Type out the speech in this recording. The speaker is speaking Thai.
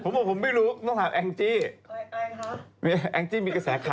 ผมบอกผมไม่รู้ต้องถามอังกิ